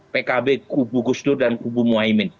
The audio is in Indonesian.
pkb kubu gusdur dan kubu muhaymin